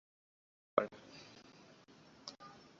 Era n'abamu abaali bazze ku mukolo baddayo tebalidde mmere.